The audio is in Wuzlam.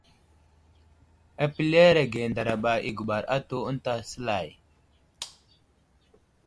Apəleerge ndaraba i guɓar atu ənta səlay.